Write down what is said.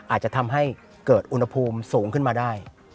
อาจจะทำให้เกิดอุณหภูมิสูงขึ้นมาได้